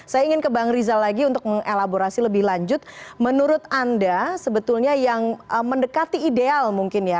saya ingin ke bang rizal lagi untuk mengelaborasi lebih lanjut menurut anda sebetulnya yang mendekati ideal mungkin ya